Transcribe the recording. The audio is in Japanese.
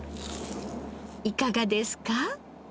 いかがですか？